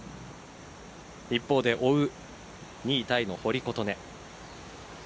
一方で追う２位タイの堀琴音。